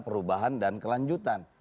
perubahan dan kelanjutan